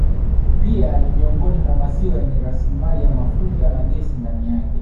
Pia ni miongoni mwa maziwa yenye rasilimali ya mafuta na gesi ndani yake